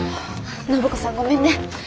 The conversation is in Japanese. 暢子さんごめんね。